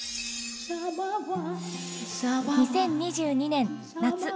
２０２２年夏。